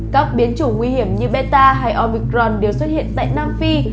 các biến chủ nguy hiểm như beta hay omicron đều xuất hiện tại nam phi